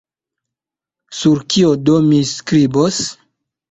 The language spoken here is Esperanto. Sur kio do mi skribos?